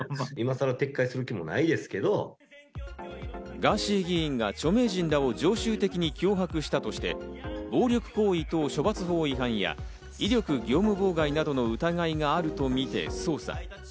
ガーシー議員が著名人らを常習的に脅迫したとして、暴力行為等処罰法違反や威力業務妨害などの疑いがあるとみて捜査。